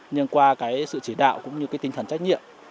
nhưng qua sự chỉ đạo cũng như tinh thần trách nhiệm